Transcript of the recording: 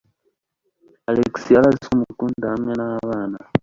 Alex yari azi ko amukunda hamwe nabana.